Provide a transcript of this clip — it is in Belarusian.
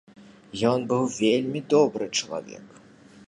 Ён быў вельмі добры чалавек.